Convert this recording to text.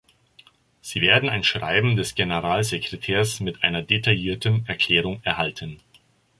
Sie werden ein Schreiben des Generalsekretärs mit einer detaillierten Erklärung erhalten.